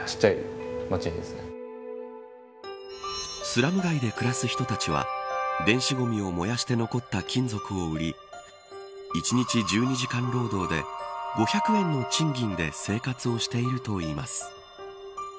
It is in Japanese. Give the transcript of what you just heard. スラム街で暮らす人たちは電子ごみを燃やして残った金属を売り１日１２時間労働で５００円の賃金で生活をしているといいます。